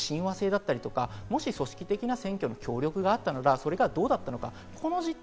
政策の親和性だったり、もし組織的な選挙の協力があったのであれば、それがどうだったのか。